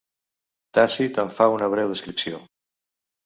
Tàcit en fa una breu descripció.